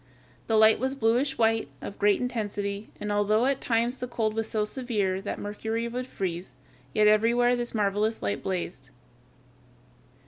The light was bluish white, of great intensity, and although at times the cold was so severe that mercury would freeze, yet everywhere this marvelous light blazed.